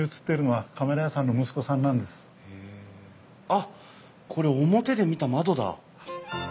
あっこれ表で見た窓だ！